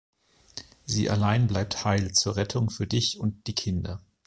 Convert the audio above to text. Sie allein bleibt heil zur Rettung für dich und die Kinder.